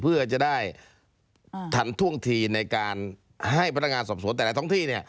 เพื่อจะได้ทันท่วงทีในการให้พันธ์งานสมสมแต่ละท้องที่